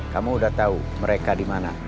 kamu udah tahu mereka dimana